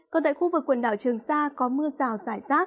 còn tại khu vực quần đảo trường sa có mưa rào rải rác